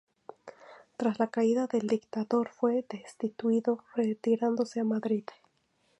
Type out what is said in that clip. Tras la caída del dictador fue destituido, retirándose a Madrid.